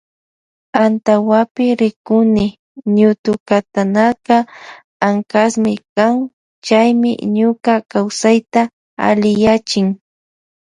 Antawapi rikuni ñutukatanaka ankasmi kan chaymi ñuka kawsayta alliyachin.